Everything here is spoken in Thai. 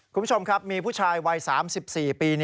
คุณผู้ชมครับมีผู้ชายวัย๓๔ปี